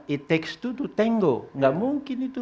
it takes two to tango tidak mungkin itu